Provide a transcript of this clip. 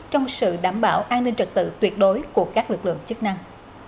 trong sự đảm bảo an ninh trật tự tuyệt đối của các lực lượng chức năng